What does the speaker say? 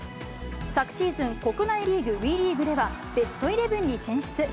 昨シーズン、国内リーグＷＥリーグではベストイレブンに選出。